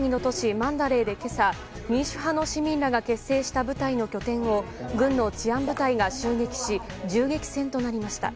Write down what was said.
マンダレーで、今朝民主派の市民らが結成した部隊の拠点を軍の治安部隊が襲撃し銃撃戦となりました。